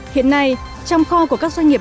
hiện nay chăm kho của các doanh nghiệp